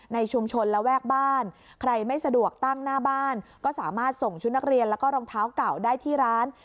ในชุมชนระแวกบ้านใครไม่สะดวกตั้งหน้าบ้านก็สามารถส่งชุดนักเรียนแล้วก็รองเท้าเก่าได้ที่ร้าน